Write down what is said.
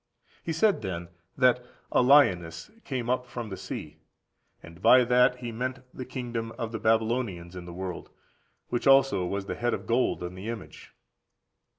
He said, then, that a "lioness came up from the sea," and by that he meant the kingdom of the Babylonians in the world, which also was the head of gold on the image.